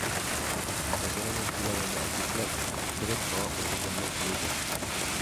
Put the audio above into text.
قىزلىرىڭنى تىللاۋەرمە ئەركەكلەر، ‹كېرەك ئاڭا ئوغۇللارنىڭ پۇلى› دەپ.